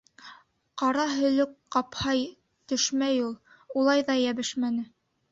Ҡара һөлөк ҡапһа, төшмәй ул. Улай ҙа йәбешмәне.